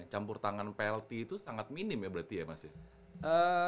campur tangan plt itu sangat minim ya berarti ya mas ya